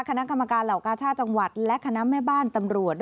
คณะกรรมการเหล่ากาชาติจังหวัดและคณะแม่บ้านตำรวจ